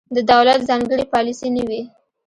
د دولت ځانګړې پالیسي نه وي.